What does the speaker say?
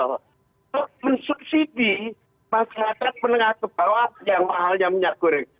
untuk mensubsidi masyarakat menengah ke bawah yang mahalnya minyak goreng